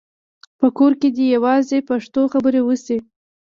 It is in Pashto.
په کور کې دې یوازې پښتو خبرې وشي.